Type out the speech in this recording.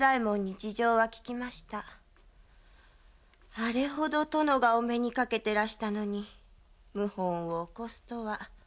あれほど殿がお目にかけてらしたのに謀反を起こすとは。